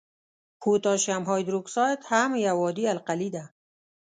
پوتاشیم هایدروکساید هم یو عادي القلي ده.